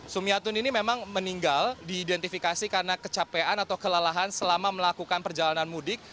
sumiatun ini memang meninggal diidentifikasi karena kecapean atau kelelahan selama melakukan perjalanan mudik